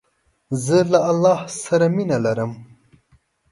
زه له الله ج سره مینه لرم.